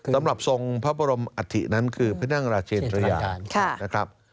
สำหรับทรงพระบรมอัฐินั้นคือพระนั่งราชเชนทรยานนะครับ